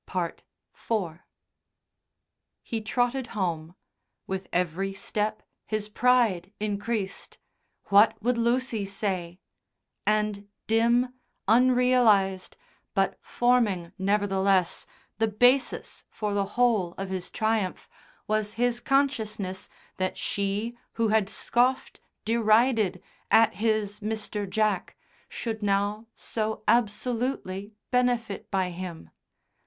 IV He trotted home; with every step his pride increased. What would Lucy say? And dim, unrealised, but forming, nevertheless, the basis for the whole of his triumph, was his consciousness that she who had scoffed, derided, at his "Mr. Jack," should now so absolutely benefit by him.